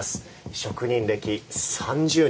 職人歴３０年。